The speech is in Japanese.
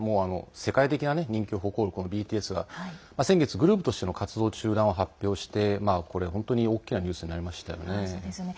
世界的な人気を誇るＢＴＳが先月、グループとしての活動中断を発表して本当に大きなニュースになりましたよね。